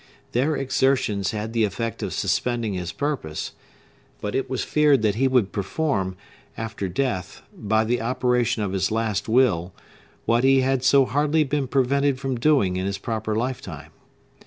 Their exertions had the effect of suspending his purpose; but it was feared that he would perform, after death, by the operation of his last will, what he had so hardly been prevented from doing in his proper lifetime.